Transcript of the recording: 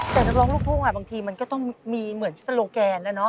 แต่นักร้องลูกทุ่งบางทีมันก็ต้องมีเหมือนโซโลแกนแล้วเนาะ